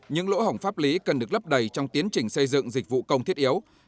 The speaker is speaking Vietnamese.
những lỗ hổng pháp lý cần được lấp đầy trong tiến trình xây dựng dịch vụ công thiết yếu